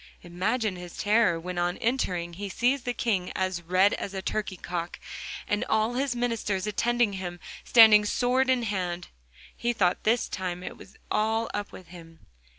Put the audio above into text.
Imagine his terror when on entering he sees the King as red as a turkey cock, and all his ministers attending him standing sword in hand. He thought this time it was all up with him.